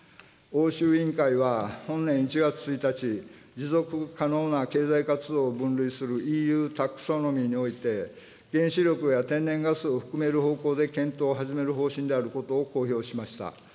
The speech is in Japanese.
欧州委員会は、本年１月１日、持続可能な経済活動を分類するＥＵタクソノミーにおいて、原子力や天然ガスを含める方向で検討を始める方針であることを公表しました。